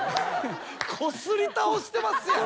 こすり倒してますやん。